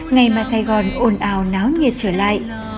ngày mà sài gòn ồn ào náo nhiệt trở lại